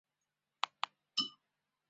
日溪乡的主要人口为汉族和畲族。